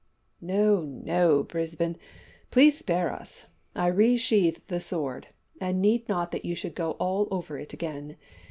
"No, no, Brisbane. Please spare us! I re sheath the sword, and need not that you should go all over it again.